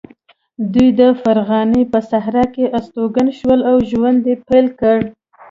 دوی د فرغانې په صحرا کې استوګن شول او ژوند یې پیل کړ.